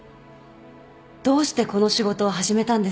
どうしてこの仕事を始めたんですか？